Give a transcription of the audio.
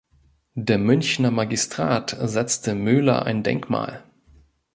Der Münchner Magistrat setzte Möhler ein Denkmal.